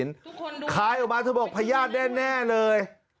มันโดนลิ้นคลายออกมาเธอบอกพญาติแน่เลย